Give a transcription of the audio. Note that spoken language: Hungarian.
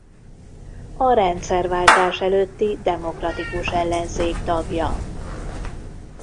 A rendszerváltás előtti demokratikus ellenzék tagja.